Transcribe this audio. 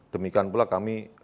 demikian pula kami